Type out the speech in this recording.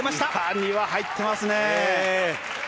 丹羽、入ってますね。